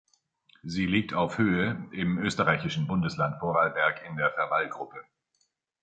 Sie liegt auf Höhe im österreichischen Bundesland Vorarlberg in der Verwallgruppe.